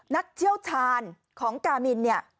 เชี่ยวชาญของกามินเนี่ย